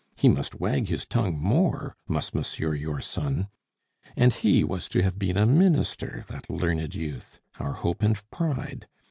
He must wag his tongue more, must monsieur your son! And he was to have been a Minister, that learned youth! Our hope and pride.